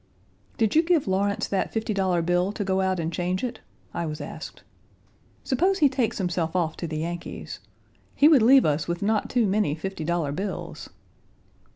"Did you give Lawrence that fifty dollar bill to go out and change it?" I was asked. "Suppose he takes himself off to the Yankees. He would leave us with not too many fifty dollar bills."